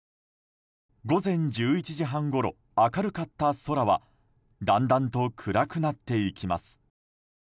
午後１１時半ごろ明るかった空はだんだんと暗くなっていきます。